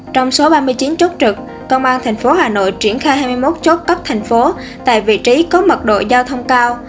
trong số ba mươi chín chốt trực công an thành phố hà nội triển khai hai mươi một chốt cấp thành phố tại vị trí có mật độ giao thông cao